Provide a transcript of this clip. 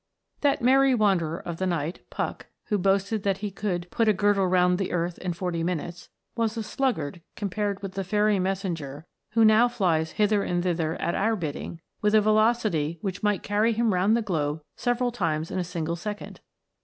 THAT merry wanderer of the night, Puck, who boasted that he could "put a girdle round about the earth in forty minutes," was a sluggard com pared with the fairy messenger who now flies hither and thither at our bidding, with a velocity which might carry him round the globe several times in a single second.